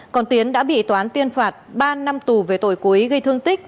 còn tiến đã bị tòa án tiên phạt ba năm tù về tội cố ý gây thương tích